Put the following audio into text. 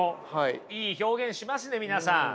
いい表現しますね皆さん。